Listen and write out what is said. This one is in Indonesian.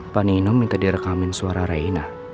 panino minta direkamin suara reina